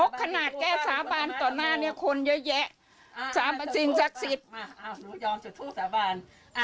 ขนาดแก้สาบานต่อหน้าคนเยอะแบบสินศักดิ์สิทธิ์